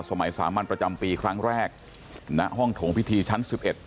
สมัยสามัญประจำปีครั้งแรกณห้องถงพิธีชั้น๑๑